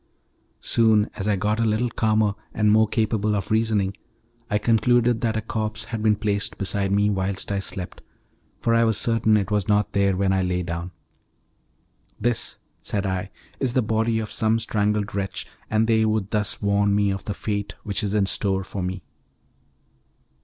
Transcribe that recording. Soon, as I got a little calmer and more capable of reasoning, I concluded that a corpse had been placed beside me whilst I slept, for I was certain it was not there when I lay down. "This," said I, "is the body of some strangled wretch, and they would thus warn me of the fate which is in store for me."